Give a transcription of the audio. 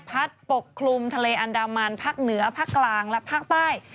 ปกคลุมทะเลอันดามันภาคเหนือภาคกลางและภาคใต้